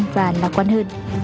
và lạc quan hơn